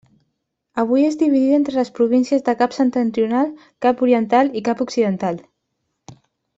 Avui és dividida entre les províncies de Cap Septentrional, Cap Oriental i el Cap Occidental.